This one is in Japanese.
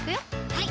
はい